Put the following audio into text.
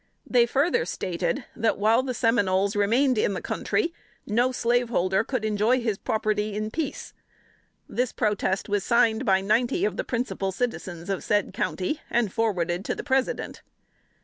They further stated that while the Seminoles remained in the country no slaveholder could enjoy his property in peace. This protest was signed by ninety of the principal citizens of said county, and forwarded to the President.